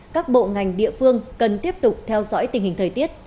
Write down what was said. các bộ ngành địa phương cần tiếp tục theo dõi tình hình thời tiết